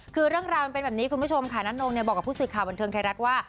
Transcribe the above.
คือเรื่องราวมันเป็นแบบนี้คุณผู้ชมค่ะน้านงบอกกับผู้สื่อข่าวบันเทิงไทยรัฐว่า